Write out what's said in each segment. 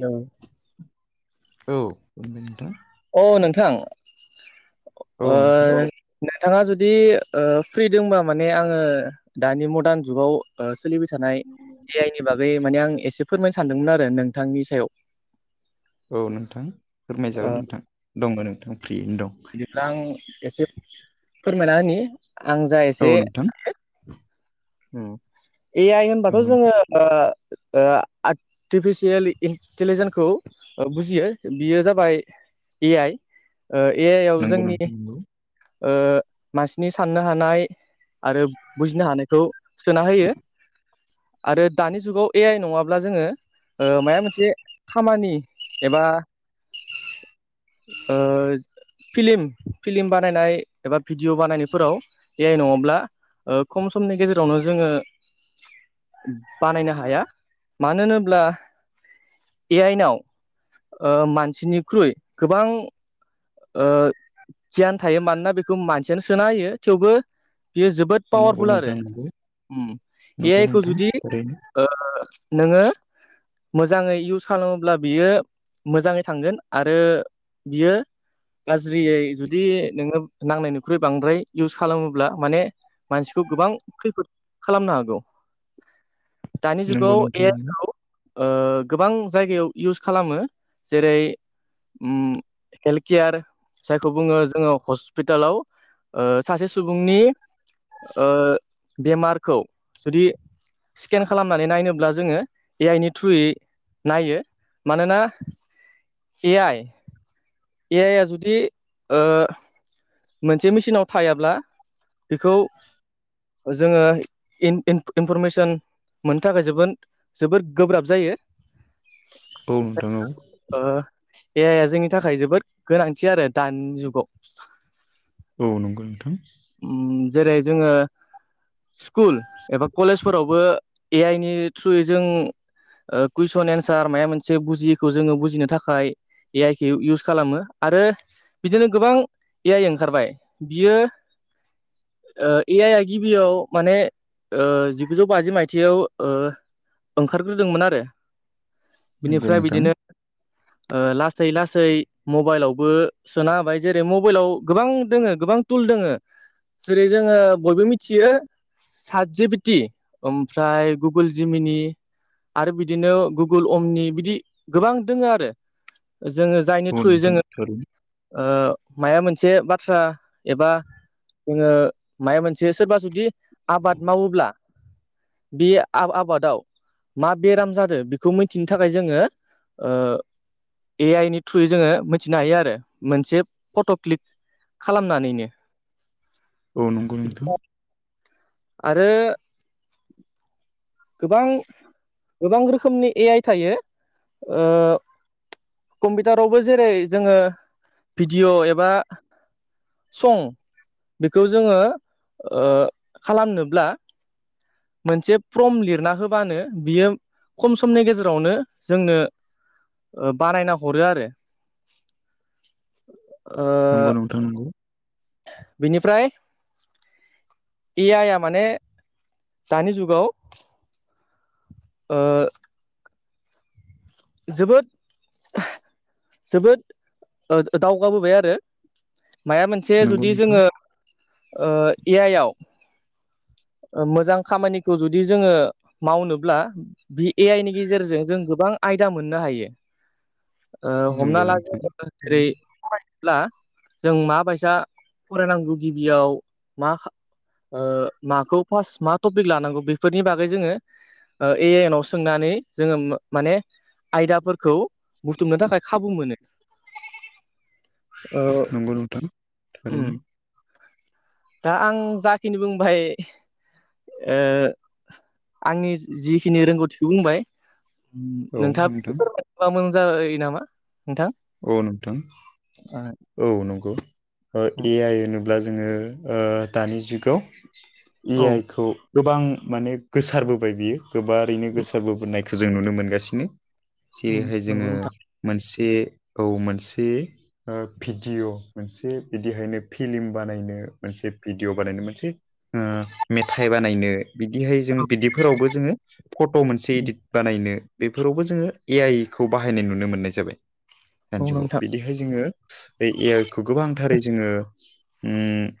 औ औ खुलुमबाय नोंथां। औ नोंथां औ ओ नोंथां नोंथाङा जुदि ओ फ्रि दंबा माने आङो दानि मडार्न जुगाव सोलिबाय थानाय ए आइनि बागै माने आं एसे फोरमायनो सानदोंमोन आरो नोंथांनि सायाव औ नोंथां ओ फोरमायजागोन नोंथां दं नोंथां फ्रियैनो दं। बेफ्राय आं एसे फोरमायना होनि आं जा एसे औ नोंथां ए आइ औ होनबाथ' नोंथां जोङो ओ ओ आर्टिफिसियेल इन्टिलिजेन्सखौ ओ बुजियो बियो जाबाय ए आइ ओ ए आइ आव नंगौ जोंनि नोंथां नंगौ ओ मानसिनि साननो हानाय आरो बुजिनो हानाय खौ सोना होयो आरो दानि जुगाव ए आइ नङाब्ला जोङो ओ माया मोनसे खामानि एबा ओ फिल्म फिल्म बानायनाय एबा भिडिय' बानायनायफोराव ए आइ नङाब्ला ओ खम समनि गेजेरावनो जोङो बानायनो हाया मानो होनोब्ला ए आइनाव मानसिनिख्रुइ गोबां ओ गियान थायो मानोना बेखौ मानसियानो सोना होयो थेवबो बियो जोबोद नंगौ पावारफुल आरो नोंथां नंगौ ए नंगौ आइ खौ नोंथां जुदि ओरैनो ओ नोङो मोजाङै इउस खालामोब्ला बियो मोजाङै थांगोन आरो बियो गाज्रियै जुदि नोङो नांनायनायनिख्रुइ बांद्राय इउस खालामोब्ला माने मानसिखौ गोबां खैफोद खालामनो हागौ। दानि नंगौ जुगाव नोंथां ए नंगौ औ ओ गोबां जायगायाव इउस खालामो जेरै उम हेल्थ केयार जायखौ बुङो जोङो हस्पिटालाव सासे सुबुंनि ओ बेमारखौ जुदि स्केन खालामनानै नायनोब्ला जोङो ए आइ नि थ्रुयै नायो मानोना ए आइ ए आइ ओ जुदि मोनसे मेसिनाव थायाब्ला बेखौ जोङो इन- इनफरमेसन मोननो थाखाय जोबोद जोबोर गोब्राब जायो। औ नोंथां औ ओ ए आइ आ जोंनि थाखाय जोबोद गोनांथि आरो दानि जुगाव औ नंगौ नोंथां जेरै जोङो स्कुल एबा कलेजफोरावबो ए आइ नि थ्रुयै जों कुइसन एन्सार माबा मोनसे बुजियखौ जोङो बुजिनो थाखाय ए आइखौ इउस खालामो आरो बिदिनो गोबां ए आइ ओंखारबाय बियो ए आइ आ गिबियाव माने जिगुजौ बाजि मायथाइयाव ओंखारग्रोदोंमोन आरो नंगौ बिनिफ्राय नोंथां बिदिनो लासै लासै मबाइलावबो सोना होबाय जेरै मबाइलाव गोबां दोङो गोबां थुल दोङो जेरै जोङो बयबो मिथियो सादजेबिटि ओमफ्राय गुगोल जिमिनि आरो बिदिनो गुगोल अमनि बिदि गोबां दोङो आरो जोङो औ जायनि थ्रुयै नोंथां जोङो थारैनो माया मोनसे बाथ्रा एबा जोङो माया मोनसे सोरबा जुदि आबाद मावोब्ला बे आबादाव मा बेराम जादों बेखौ मिथिनो थाखाय जोङो ए आइ नि थ्रुयै जोङो मिथिनो हायो आरो मोनसे फट' क्लिक खालामनानैनो [inaudible] औ नंगौ नोंथां आरो गोबां गोबां रोखोमनि ए आइ थायो कम्पिउटारावबो जेरै जोङो भिडिय' एबा सं बेखौ जोङो खालामनोब्ला मोनसे फर्म लिरना होबानो बियो खम समनि गेजेरावनो जोंनो बानायना हरो आरो ओ नंगौ नोंथां नंगौ बिनिफ्राय ए आइ आ माने दानि जुगाव ओ जोबोद जोबोद दावगाबोबाय आरो माया मोनसे नंगौ जुदि नोंथां जोङो ए आइ आव मोजां खामानिखौ जुदि जोङो मावनोब्ला भि ए आइ नि गेजेरजों जों गोबां आयदा मोननो हायो नंगौ हमना नोंथां लागो जेरै ब्ला जों माबायसा फरायनांगौ गिबियाव मा माखौ फार्स्ट मा टपिक लानांगौ बेफोरनि बागै जोङो ए आइ नाव सोंनानै जोङो माने आयदाफोरखौ बुथुमनो थाखाय खाबु मोनो ओ नंगौ नोंथां थारैनो उम दा आं जाखिनि बुंबाय आंनि जिखिनि रोंगौथिखौ बुंबाय औ नोंथाङाबो नोंथां फोरमायना होबा मोजां जायो नामा नोंथां औ नोंथां ओ औ नंगौ ए आइ होनोब्ला जोङो दानि जुगाव ए औ आइ खौ गोबां माने गोसारबोबाय बियो गोबारैनो उम गोसारबोबोनायखौ जों नुनो मोनगासिनो उम जेरैहाय जोङो नंगौ नोंथां मोनसे औ मोनसे भिडिअ' मोनसे बिदिहायनो फिल्म बानायनो मोनसे भिडिअ बानायनो मोनसे मेथाइ बानायनो बिदिहाय जों बिदिफोरावबो जोङो फट' मोनसे इडिट बानायनो बेफोरावबो जोङो ए आइ खौ बाहायनाय नुनो मोननाय जाबाय दानि औ जुगाव नोंथां बिदिहाय जोङो बे ए आइ खौ गोबांथारै जोङो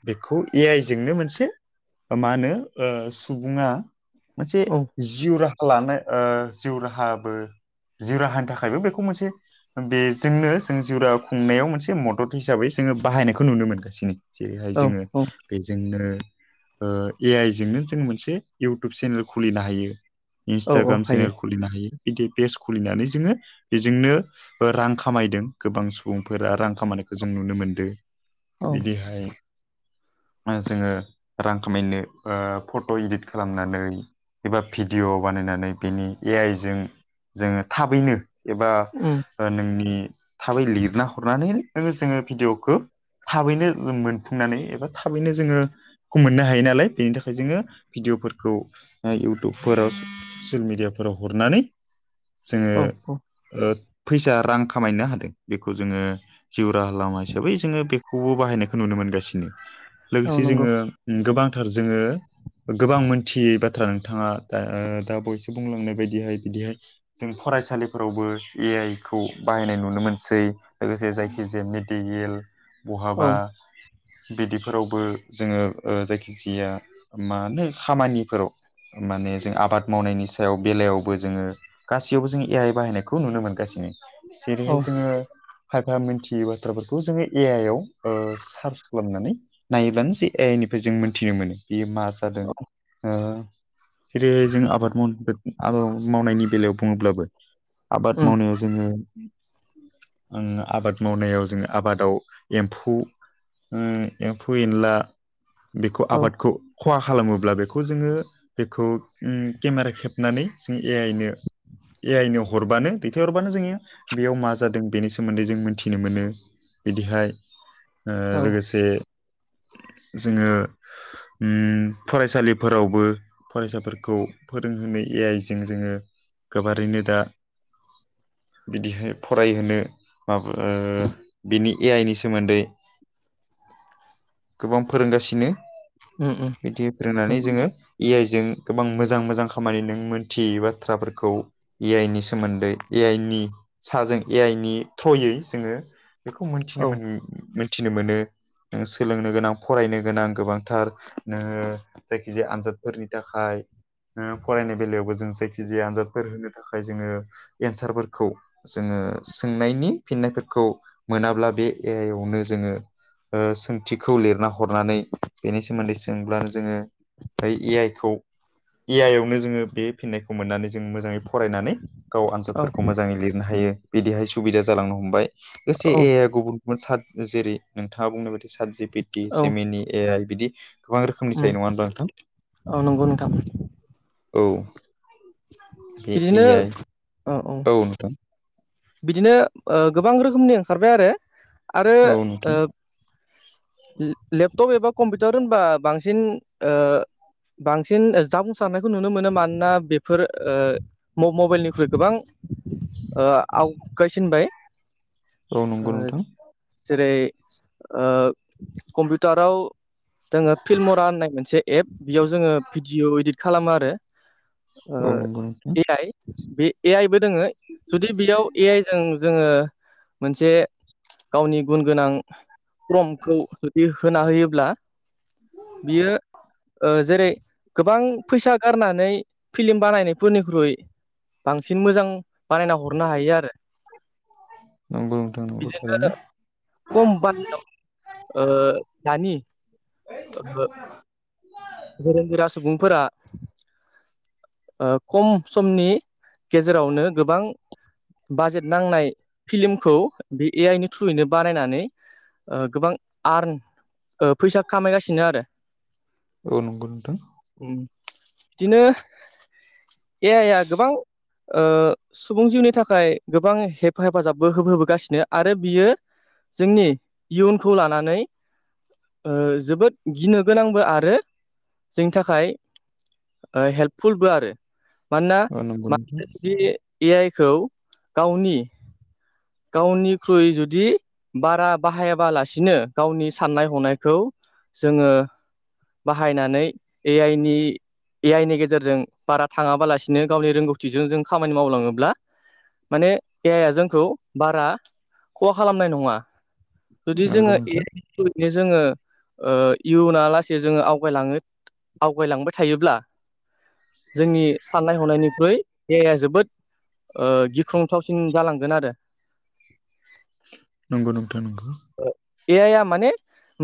बेखौ ए आइ जोंनो मोनसे मा होनो सुबुङा मोनसे औ जिउ राहा लानाय जिउ राहाबो जिउ राहानि थाखायबो बेखौ मोनसे बेजोंनो जों जरा खुंनायाव मोनसे मदद हिसाबै जोङो बाहायनायखौ नुनो मोनगासिनो जेरैहाय औ जोङो औ बेजोंनो ए आइजोंनो जों मोनसे इउटुब चेनेल खुलिनो हायो औ औ इन्सटाग्राम हायो सेनेल खुलिनो हायो बिदि पेज खुलिनानै जोङो बेजोंनो रां खामायदों गोबां सुबुंफोरा रां खामानायखौ जों नुनो मोनदों औ बिदिहाय [inaudible] जोङो रां खामायनो ओ फट' इदिट खालामनानै एबा भिडिय' बानायनानै बिनि ए आइजों जोङो थाबैनो एबा उम नोंनि थाबै लिरना हरनानै नोङो जोङो भिडिअ'खौ थाबैनो जों मोनफुंनानै एबा थाबैनो जोङो खौ मोननो हायो नालाय बेनि थाखाय जोङो भिडिअ'फोरखौ इउटुबफोराव ससियेल मिडियाफोराव हरनानै जोङो औ औ फैसा रां खामायनो हादों बेखौ जोङो जिउ राहा लामा हिसाबै जोङो बेखौबो बाहायनायखौ नुनो मोनगासिनो औ लोगोसे नंगौ जोङो गोबांथार जोङो गोबां मोनथियै बाथ्रा नोंथाङा दा ओ दा बयसो बुंलांनाय बायदिहाय बिदिहाय जों फरायसालिफोरावबो ए आइ खौ बाहायनाय नुनो मोनसै लोगोसे जायखिजाया मेदिगेल औ बहाबा बिदिफोरावबो जोङो ओ जायखिजाया मा होनो खामानिफोराव माने जों आबाद मावनायनि सायाव बेलायावबो जोङो गासैयावबो जों ए आइ बाहायनायखौ नुनो मोनगासिनो औ जेरैहाय जोङो फाइफा मिथियै बाथ्राफोरखौ जोङो ए आइ आव सार्स खालामनानै नायोब्लानो ज एइ निफ्राय जों मोनथिनो मोनो बेयो मा जादों जेरैहाय जों आबाद माव आबाद मावनायनि बेलायाव बुङोब्लाबो आबाद उम मावनायाव जोङो आं आबाद मावनायाव जोङो आबादाव एम्फौ एम्फौ एनला बेखौ औ आबादखौ खहा खालामोब्ला बेखौ जोङो बेखौ उम केमेरा खेबनानै जों ए आइ नो ए आइनो हरबानो दैथायहर- बानो जोङो बेयाव मा जादों बेनि सोमोन्दै जों मिथिनो मोनो बिदिहाय ओ औ लोगोसे जोङो उम फरायसालिफोरावबो फरायसाफोरखौ फोरोंहोनो ए आइजों जोङो गोबारैनो दा बिदिहाय फरायहोनो माबा ओ बिनि ए आइ नि सोमोन्दै गोबां फोरोंगासिनो उम उम बिदि फोरोंनानै नंगौ जोङो नोंथां इ आइ जों गोबां मोजां मोजां खामानि नों मोनथियै बाथ्राफोरखौ ए आइ नि सोमोन्दै ए आइ नि साजों ए आइ नि थ्रयै जोङो बेखौ औ मोनथिनो मोन मोनथिनो मोनो नों सोलोंनो गोनां फरायनो गोनां गोबांथार नोङो जायखिजाया आनजादफोरनि थाखाय नोङो फरायनाय बेलायावबो जों जायखिजाया आनजादफोर होनो थाखाय जोङो एन्सारफोरखौ जोङो सोंनायनि फिन्नायफोरखौ मोनाब्ला बे ए आइ यावनो जोङो ओ सों- थिखौ लिरना हरनानै बेनि सोमोन्दै सोंब्लानो जोङो बै ए आइ खौ ए आइ यावनो जोङो बे फिननायखौ मोननानै जों मोजाङै फरायनानै गाव आनजादफोरखौ मोजाङै लिरनो हायो बिदिहाय सुबिदा जालांनो हमबाय लोगोसे औ ए आइ आ गुबुन सात जेरै नोंथाङा बुंनाय बादि सातजिपिटि औ जेमिनि ए आइ बिदि गोबां रोखोमनि थायो उम नङा होनबा नोंथां औ नंगौ नोंथां औ बे ए बिदिनो आइ औ औ औ नोंथां बिदिनो ओ गोबां रोखोमनि ओंखारबाय आरो आरो औ ओ नोंथां लेपटप एबा कम्पिउटार होनबा बांसिन ओ बांसिन जाफुंसारनायखौ नुनो मोनो मानोना बेफोर ओ म मबाइलनिख्रुइ गोबां ओ आवगायसिनबाय औ ओ नंगौ नोंथां जेरै ओ कम्पिउटाराव जोङो फिल्मरा होननाय मोनसे एप बेयाव जोङो भिडिअ' इदिट खालामो आरो ओ औ नंगौ नोंथां ए आइ बे ए आइ बो दोङो जुदि बेयाव ए आइ जों जोङो मोनसे गावनि गुन गोनां फ्रमखौ जुदि होना होयोब्ला बियो ओ जेरै गोबां फैसा गारनानै फिलिम बानायनायफोरनिख्रुइ बांसिन मोजां बानायना हर- हरनो हायो आरो नंगौ नोंथां नंगौ थारैनो बिदिनो कम बाजेदाव ओ दानि ओ गोरों गोरा सुबुंफोरा ओ खम समनि गेजेरावनो गोबां बाजेट नांनाय फिल्मखौ बे ए आइ नि थ्रुयैनो बानायनानै गोबां आर्न फैसा खामायगासिनो आरो औ नंगौ नोंथां बिदिनो ए आइया गोबां ओ सुबुं जिउनि थाखाय गोबां हेफाजाबबो होबोगासिनो आरो बियो जोंनि इयुनखौ लानानै ओ जोबोद गिनो गोनांबो आरो जोंनि थाखाय हेल्पफुलबो आरो मानोना औ नंगौ नोंथां माखासे जुदि ए आइखौ गावनि गावनिख्रुइ जुदि बारा बाहायाबालासिनो गावनि साननाय हनायखौ जोङो बाहायनानै ए आइ नि ए आइ नि गे जेरजों बारा थाङाबालासिनो गावनि रोंगौथिजों जों खामानि मावलाङोब्ला माने ए आइआ जोंखौ बारा खहा खालामनाय नङा जुदि नंगौ जोङो नोंथां जै जोङो ओ इयुना लासै जोङो आवगायलाङो आवगायलांबाय थायोब्ला जोंनि साननाय हनायनिख्रुइ ए आइया जोबोद ओ गिख्रंथावसिन जालांगोन आरो नंगौ नोंथां नंगौ ए आइया माने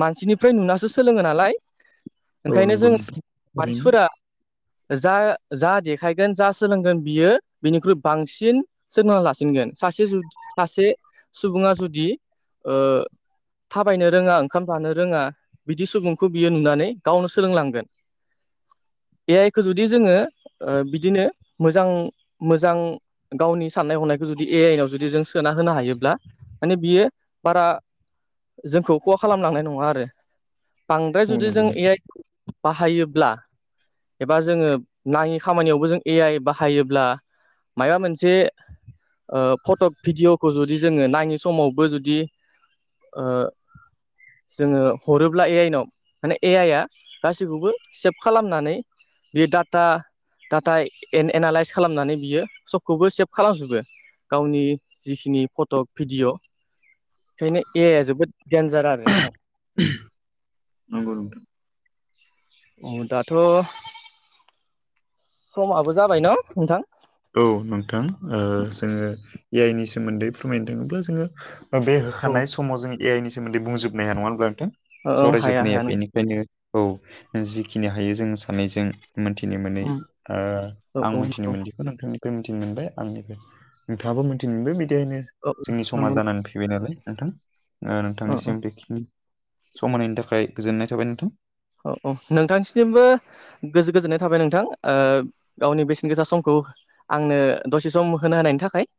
मानसिनिफ्राय नुनासो सोलोङो नालाय औ ओंखायनो नंगौ जों नोंथां ओरैनो मानसिफोरा जा जा देखायगोन जा सोलोंगोन बियो बिनिख्रुइ बांसिन सोरना लासिनगोन सासे सासे सुबुङा जुदि ओ थाबायनो रोङा ओंखाम जानो रोङा बिदि सुबुंखौ बियो नुनानै गावनो सोलोंलांगोन ए आइखौ जुदि जोङो बिदिनो मोजां मोजां गावनि साननाय हनायखौ जुदि ए आइनाआव जुदि जों सोना होनो हायोब्ला माने बियो बारा जोंखौ खहा खालामलांनाय नङा आरो बांद्राय औ जुदि नंगौ जों ए आइ बाहायोब्ला एबा जोङो नाङि खामानियावबो जों ए आइ बाहायोब्ला माबा मोनसे ओ फट' भिडिअ'खौ जुदि जोङो नायै समावबो जुदि ओ जोङो हरोब्ला ए आइनाव माने ए आइ आ गासैखौबो सेभ खालामनानै बे डाटा डाटा एन एनालइस खालामनानै बियो सबखौबो सेभ खालामजोबो गावनि जिखिनि फटक भिडिय ओंखायनो ए आइ आ जोबोद देनजार आरो नोंथां नंगौ नोंथां औ दाथ समाबो जाबाय न नोंथां औ नोंथां जोङो ओ ए आइ नि सोमोन्दै फोरमायनो थाङोब्ला जोङो बे औ होखानाय समाव जों ए आइ नि सोमोन्दै बुंजोबनो हाया नङा होनबा नोंथां सावरायजोबनो हाया बेनिखायनो औ जिखिनि हायो जों सानैनायजों मोनथिनो मोनै ओ औ आं औ नंगौ मोनथिनो मोनि खौ नोंथांनिफ्राय मिथिनो मोनबाय आंनिफ्राय नोंथाङाबो मिथिनो मोनबाय बिदिहायनो औ जोंनि नंगौ समाज जानानै फै फैबाय नालाय नोंथां औ नोंथांनिसिम बेखिनि समायनि थाखाय गोजोननाय थाबाय नोंथां औ औ नोंथांसिमबो गोजो गोजोननाय थाबाय नोंथां गावनि बेसेन गोसा समखौ आंनो दसे सम होनो होनायनि थाखाय